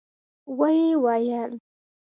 ويې ويل: